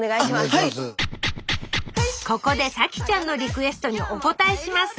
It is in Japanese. ここで沙樹ちゃんのリクエストにお応えします！